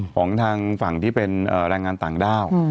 ของทางฝั่งที่เป็นแรงงานต่างด้าว